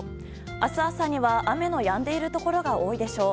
明日朝には雨のやんでいるところが多いでしょう。